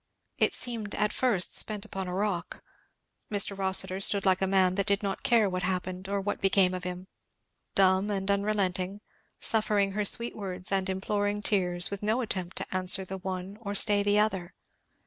It seemed at first spent upon a rock. Mr. Rossitur stood like a man that did not care what happened or what became of him; dumb and unrelenting; suffering her sweet words and imploring tears, with no attempt to answer the one or stay the other.